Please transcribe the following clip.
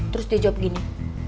terus dia jawab gini